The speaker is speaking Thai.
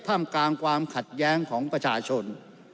ท่ามกลางความขัดแย้งของประชาชน